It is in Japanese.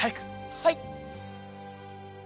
はい。